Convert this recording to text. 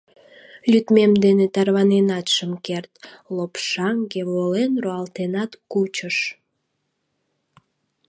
Лӱдмем дене тарваненат шым керт, лопшаҥге, волен, руалтенат кучыш.